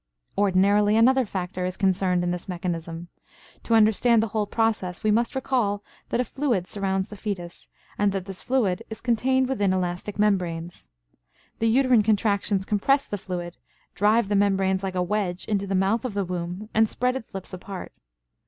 Ordinarily another factor is concerned in this mechanism. To understand the whole process we must recall that a fluid surrounds the fetus, and that this fluid is contained within elastic membranes. The uterine contractions compress the fluid, drive the membranes, like a wedge, into the mouth of the womb and spread its lips apart.